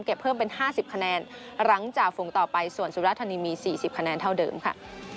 เก็บเพิ่มเป็นห้าสิบคะแนนหลังจากฝงต่อไปส่วนสูราธนีมีสี่สิบคะแนนเท่าเดิมค่ะ